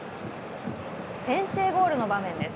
先制ゴールの場面です。